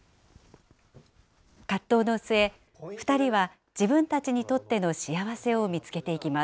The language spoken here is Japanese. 葛藤の末、２人は自分たちにとっての幸せを見つけていきます。